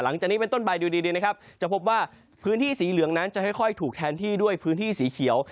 หลังจากนี้เป็นต้นไปดูดีนะครับจะพบว่าพื้นที่สีเหลืองนั้นจะค่อยถูกแทนที่ด้วยพื้นที่สีเขียว